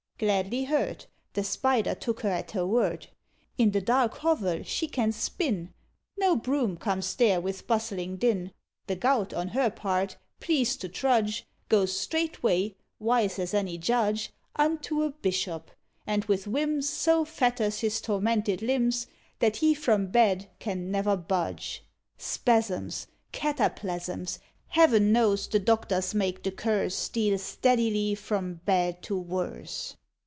Gladly heard. The Spider took her at her word. In the dark hovel she can spin: No broom comes there with bustling din. The Gout, on her part, pleased to trudge, Goes straightway wise as any judge Unto a bishop, and with whims So fetters his tormented limbs, That he from bed can never budge. Spasms! Cataplasms! Heaven knows, the doctors make the curse Steal steadily from bad to worse.